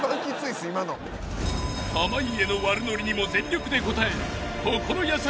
［濱家の悪ノリにも全力で応える心優しき